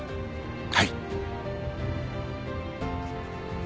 はい。